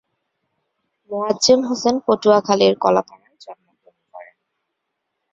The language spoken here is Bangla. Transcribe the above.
মোয়াজ্জেম হোসেন পটুয়াখালীর কলাপাড়ায় জন্মগ্রহণ করেন।